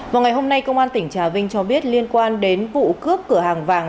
vào ngày hôm nay công an tỉnh trà vinh cho biết liên quan đến vụ cướp cửa hàng vàng